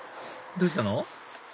どうしたの？